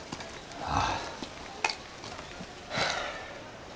ああ。